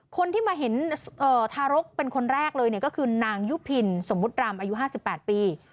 คนที่มาเห็นทารกเป็นคนแรกเลยก็คือนางยุพินสมมุติรำอายุ๕๘ปี